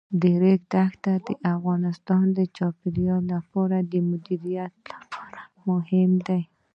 د ریګ دښتې د افغانستان د چاپیریال د مدیریت لپاره مهم دي.